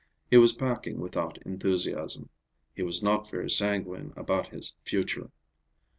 He was packing without enthusiasm. He was not very sanguine about his future.